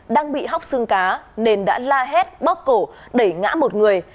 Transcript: đang bị hóc xương cá nên đã la hét bóp cổ đẩy ngã một người